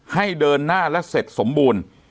ให้เดินหน้าและเสร็จสมบูรณ์